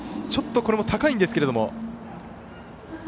ちょっとこれも高いんですけれど。